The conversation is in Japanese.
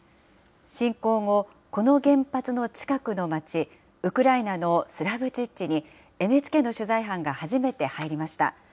侵攻後、この原発の近くの町、ウクライナのスラブチッチに、ＮＨＫの取材班が初めて入りました。